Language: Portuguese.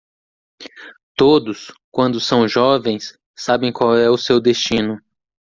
Todos? quando são jovens? sabem qual é o seu destino.